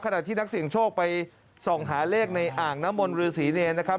ขณะที่นักเสี่ยงโชคไปส่องหาเลขในอ่างนมลหรือศรีเนยนนะครับ